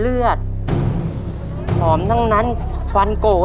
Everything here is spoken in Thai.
เพื่อชิงทุนต่อชีวิตสุด๑ล้านบาท